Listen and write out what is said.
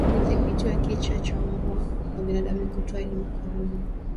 Udhibiti wa kichaa cha mbwa kwa binadamu ni kutoa elimu kwa umma